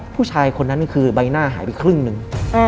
ผู้ชายคนนั้นคือใบหน้าหายไปครึ่งหนึ่ง